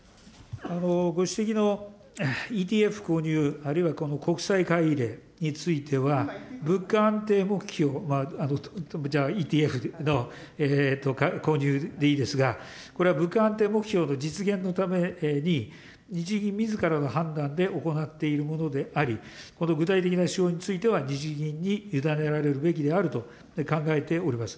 ご指摘の、ＥＴＦ購入、あるいはこの国債買い入れについては、物価安定目標、じゃあＥＴＦの購入でいいですが、これは物価安定目標の実現のために、日銀みずからの判断で行っているものであり、具体的な手法については日銀に委ねられるべきであると考えております。